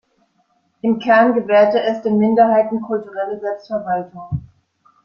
Im Kern gewährte es den Minderheiten kulturelle Selbstverwaltung.